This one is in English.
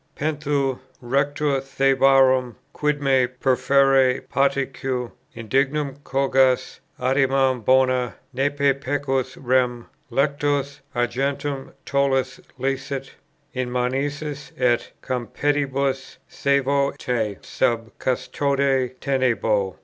"Pentheu, Rector Thebarum, quid me perferre patique Indignum cogas?" "Adimam bona." "Nempe pecus, rem, Lectos, argentum; tollas licet." "In manicis et Compedibus, sævo te sub custode tenebo."